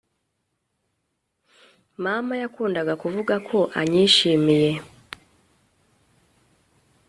Mama yakundaga kuvuga ko anyishimiye